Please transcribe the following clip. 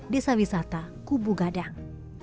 desa wisata kubu gadang